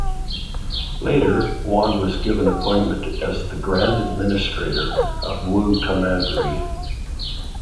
Later, Yuan was given appointment as the Grand Administrator of Wu commandery.